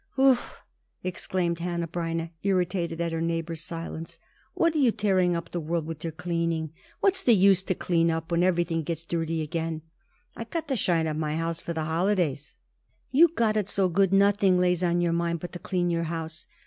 "Ut!" exclaimed Hanneh Breineh, irritated at her neighbor's silence, "what are you tearing up the world with your cleaning? What's the use to clean up when everything only gets dirty again?" "I got to shine up my house for the holidays." "You've got it so good nothing lays on your mind but to clean your house.